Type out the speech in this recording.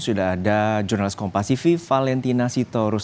sudah ada jurnalis kompas tv valentina sitorus